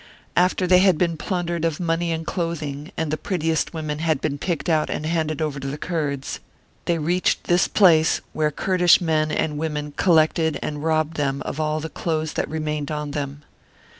After they had been plundered of money and clothing, and the prettiest women had been picked out and handed over to the Kurds, they reached this place, where Kurdish men and women collected and robbed them of all the clothes that remained on them.